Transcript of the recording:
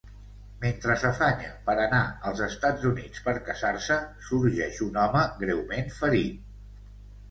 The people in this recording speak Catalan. Mentre s'afanya per anar als Estats Units per casar-se, sorgeix un home greument ferit.